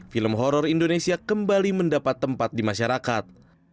film horror indonesia kembali mendapat tempat di masyarakat